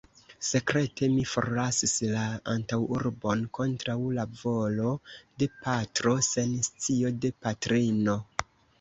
Sekrete mi forlasis la antaŭurbon, kontraŭ la volo de patro, sen scio de patrino.